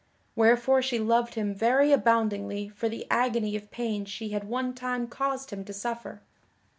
Wherefore she loved him very aboundingly for the agony of pain she had one time caused him to suffer.